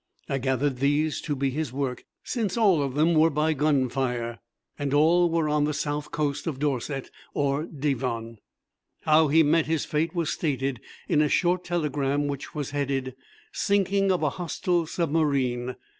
I gathered these to be his work, since all of them were by gun fire, and all were on the south coast of Dorset or Devon. How he met his fate was stated in a short telegram which was headed "Sinking of a Hostile Submarine."